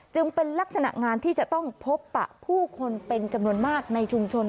จึงเป็นลักษณะงานที่จะต้องพบปะผู้คนเป็นจำนวนมากในชุมชน